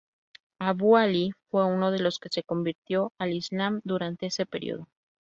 Abu Ali fue uno de los que se convirtió al Islam durante ese período.